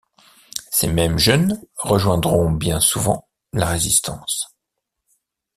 Ces mêmes jeunes rejoindront bien souvent la Résistance.